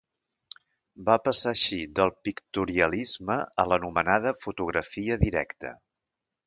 Va passar així del pictorialisme a l'anomenada fotografia directa.